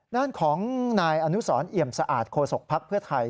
ด้านของนายอนุสรเอี่ยมสะอาดโฆษกภักดิ์เพื่อไทย